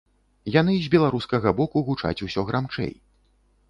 Яны з беларускага боку гучаць усё грамчэй.